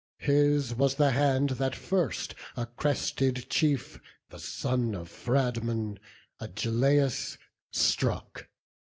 His was the hand that first a crested chief, The son of Phradmon, Agelaus, struck.